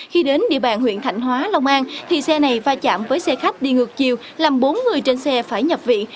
khi đến địa bàn huyện thạnh hóa long an thì xe này va chạm với xe khách đi ngược chiều làm bốn người trên xe phải nhập viện